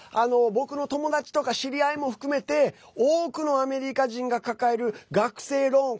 僕の友達とか知り合いも含めて多くのアメリカ人が抱える学生ローン。